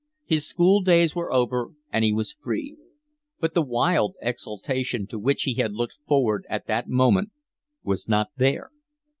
His school days were over, and he was free; but the wild exultation to which he had looked forward at that moment was not there.